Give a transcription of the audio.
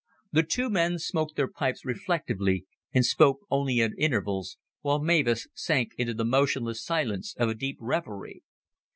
The two men smoked their pipes reflectively, and spoke only at intervals, while Mavis sank into the motionless silence of a deep reverie.